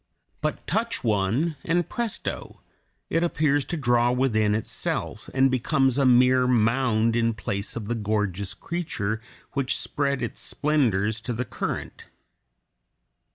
But touch one, and presto! it appears to draw within itself, and becomes a mere mound in place of the gorgeous creature which spread its splendors to the current.